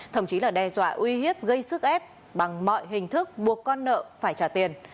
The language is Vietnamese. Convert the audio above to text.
thậm chí là đe dọa uy hiếp gây sức ép bằng mọi hình thức buộc con nợ phải trả tiền